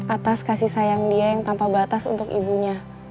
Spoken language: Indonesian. atas kasih sayang dia yang tanpa batas untuk ibunya